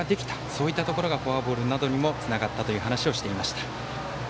そういったところがフォアボールなどにもつながったという話をしていました。